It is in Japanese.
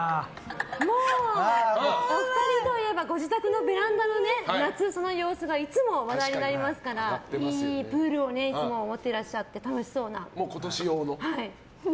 もうお二人といえばご自宅のベランダの夏の様子がいつも話題になりますからいいプールを持ってらっしゃって。